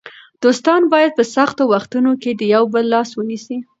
دوستان باید په سختو وختونو کې د یو بل لاس ونیسي.